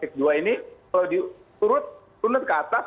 kalau disurut turun ke atas